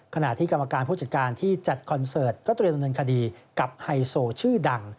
ขณะที่กรรมการผู้จัดการที่จัดคอนเสิร์ตก็เตรียมดำเนินคดีกับไฮโซชื่อดัง